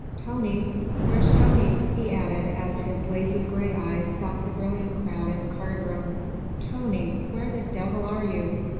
Tony! Where's Tony!" he added as his lazy grey eyes sought the brilliant crowd in the card room. "Tony, where the devil are you?"